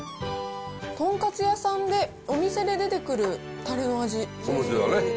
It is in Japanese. とんかつ屋さんで、お店で出てくるたれの味。